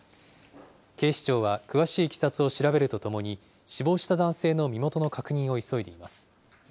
警視庁は詳しいいきさつを調べるとともに、死亡した男性の身元の確認を急いでいます。